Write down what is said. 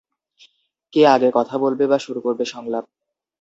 কে আগে কথা বলবে বা শুরু করবে সংলাপ?